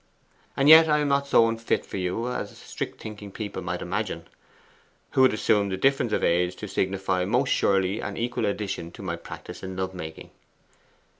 And yet I am not so unfit for you as strict thinking people might imagine, who would assume the difference in age to signify most surely an equal addition to my practice in love making.